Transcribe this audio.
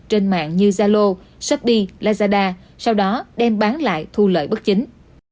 trên mạng như zalo shopee lazada sau đó đem bán lại thu lợi bất chính